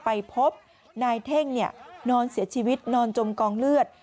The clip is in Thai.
ไปพบนายเท่งนอนเสียชีวิตนอนจมกองเลือด